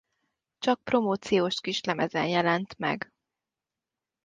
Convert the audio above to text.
Csak promóciós kislemezen jelent meg.